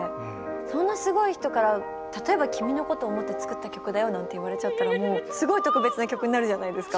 そんなすごい人から例えば君のことを思って作った曲だよなんて言われちゃったらもうすごい特別な曲になるじゃないですか。